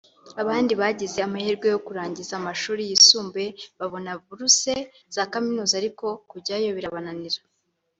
abandi bagize amahirwe yo kurangiza amashuri yisumbuye babona buruse za kaminuza ariko kujyayo birabananira